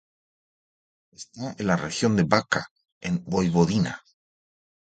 Está en la región de Bačka en Voivodina.